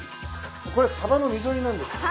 これサバの味噌煮なんですね？